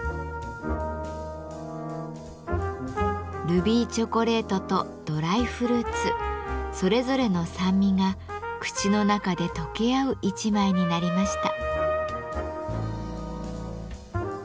ルビーチョコレートとドライフルーツそれぞれの酸味が口の中で溶け合う１枚になりました。